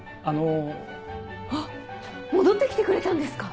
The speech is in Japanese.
あっ戻って来てくれたんですか？